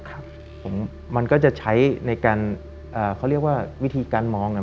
ครับผมมันก็จะใช้ในการเอ่อเขาเรียกว่าวิธีการมองเนี้ย